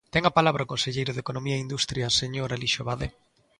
Ten a palabra o conselleiro de Economía e Industria, señor Alixo Abade.